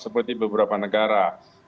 seperti beberapa negara